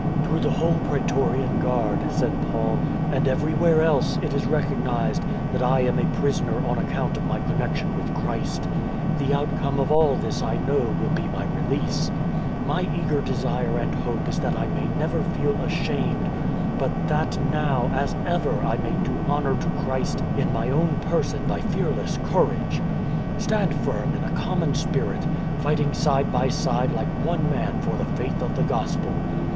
" Through the whole praetorian guard," said Paul, " and everywhere else it is recognised that I am a prisoner on account of my connection with Christ ... The outcome of all this I know will be my release ... My eager desire and hope is that I may never feel ashamed, but that now as ever I may do honour to Christ in my own person by fearless courage! ... Stand firm in a common spirit, fighting side by side like one man for the faith of the Gospel.